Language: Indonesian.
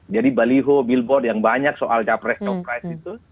jadi baliho billboard yang banyak soal capres capres itu